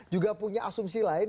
juga punya asumsi lain